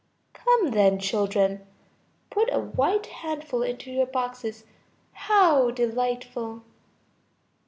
Come then, children. Put a white handful into your boxes. How delightful!